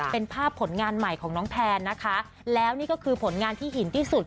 เป็นภาพผลงานใหม่ของน้องแพนนะคะแล้วนี่ก็คือผลงานที่หินที่สุด